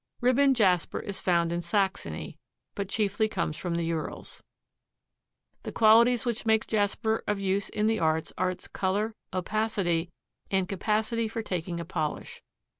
Ribbon jasper is found in Saxony, but chiefly comes from the Urals. The qualities which make jasper of use in the arts are its color, opacity and capacity for taking a polish.